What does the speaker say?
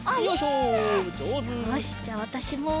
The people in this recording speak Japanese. よしじゃあわたしも。